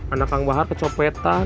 anak kang bahar kecopetan